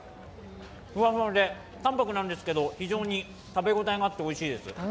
ふわふわで、淡泊なんですけど非常に食べ応えもあっておいしいです。